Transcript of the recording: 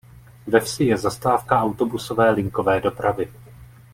Ve vsi je zastávka autobusové linkové dopravy.